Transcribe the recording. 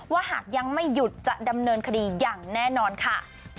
หากยังไม่หยุดจะดำเนินคดีอย่างแน่นอนค่ะ